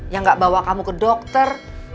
yang gak bawa kamu ke dokter